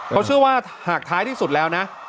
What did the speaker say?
เขาเชื่อว่าหากท้ายที่สุดแล้วนะ